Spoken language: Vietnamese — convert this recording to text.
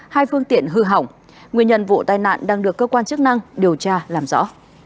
hai phương tiện hư hỏng nguyên nhân vụ tai nạn đang được cơ quan chức năng điều tra làm rõ